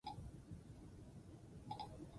Berta, izen berdina duen itsasargi bat dago.